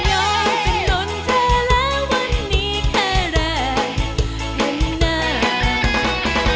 ยอมเป็นนนเธอแล้ววันนี้แค่แรกเห็นหน้า